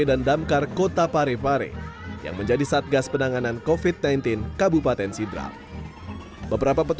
damkar kota parepare yang menjadi satgas penanganan kofit sembilan belas kabupaten sidrap beberapa